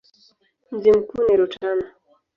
Mji mkuu ni Rutana.